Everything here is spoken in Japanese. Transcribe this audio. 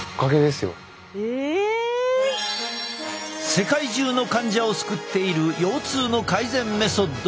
世界中の患者を救っている腰痛の改善メソッド